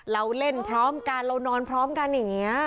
เราเล่นพร้อมกันเรานอนพร้อมกันอย่างนี้